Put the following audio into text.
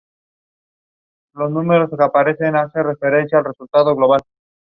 However, his health soon failed, and he died at Fort Saint David in India.